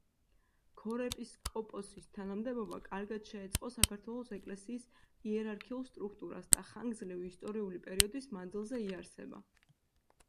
ქორეპისკოპოსის თანამდებობა კარგად შეეწყო საქართველოს ეკლესიის იერარქიულ სტრუქტურას და ხანგრძლივი ისტორიული პერიოდის მანძილზე იარსება.